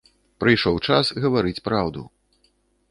Прыйшоў час гаварыць праўду.